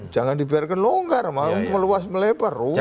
jangan dibiarkan longgar malu malu meluas melebar rusak